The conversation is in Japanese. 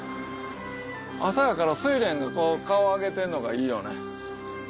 朝やからスイレンがこう顔上げてるのがいいよね。